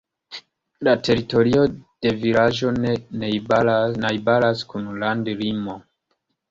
La teritorio de vilaĝo ne najbaras kun landlimo.